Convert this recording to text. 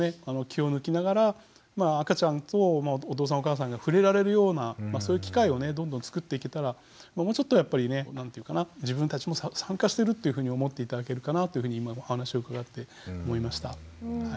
気を抜きながら赤ちゃんとお父さんお母さんが触れられるようなそういう機会をどんどんつくっていけたらもうちょっとやっぱりね自分たちも参加してるっていうふうに思って頂けるかなというふうに今のお話を伺って思いました。